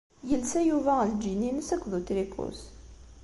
Yelsa Yuba lǧin-ines akked utriku-s.